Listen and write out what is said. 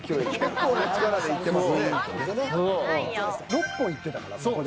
６本いってたからここで。